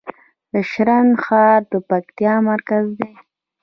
د شرن ښار د پکتیکا مرکز دی